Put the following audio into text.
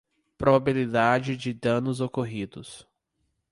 Probabilidade de danos ocorridos.